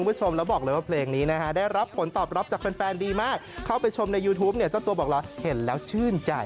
พรุ่งยิ่งคนมีหน่อยเดี๋ยวขอให้หักล้อนนะคะ